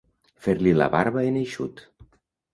Fer-li la barba en eixut.